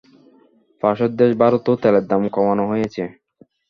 পাশের দেশ ভারতেও তেলের দাম কমানো হয়েছে।